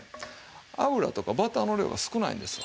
油とかバターの量が少ないんですわ。